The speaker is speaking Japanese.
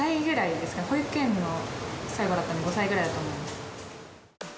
保育園の最後だったので５歳ぐらいだと思います。